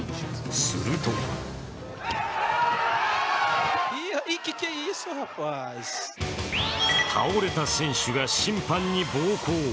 すると倒れた選手が審判に暴行。